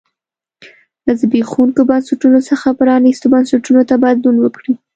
له زبېښونکو بنسټونو څخه پرانیستو بنسټونو ته بدلون وکړي.